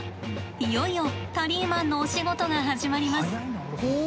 いよいよタリーマンのお仕事が始まります。